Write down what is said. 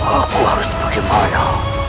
aku harus bagaimana